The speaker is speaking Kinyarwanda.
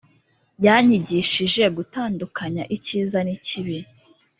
yanyigishije gutandukanya icyiza n'ikibi